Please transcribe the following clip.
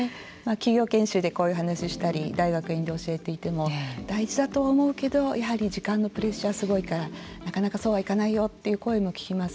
企業研修でこういう話をしたり大学院で教えていても大事だとは思うけどやはり時間のプレッシャーがすごいからなかなか、そうはいかないよという声も聞きます。